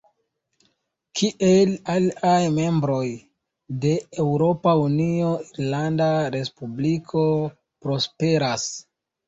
Kiel aliaj membroj de Eŭropa Unio, Irlanda Respubliko prosperas.